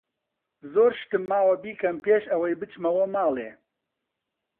زۆر شتم ماوە بیکەم پێش ئەوەی بچمەوە ماڵێ.